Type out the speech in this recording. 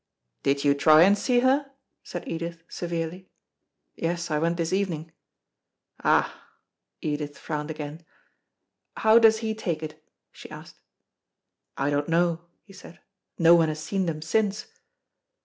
"Did you try and see her?" said Edith severely. "Yes, I went this evening." "Ah!" Edith frowned again. "How does he take it?" she asked. "I don't know," he said; "no one has seen them since."